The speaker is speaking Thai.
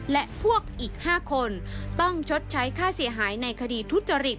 และพวกอีก๕คนต้องชดใช้ค่าเสียหายในคดีทุจริต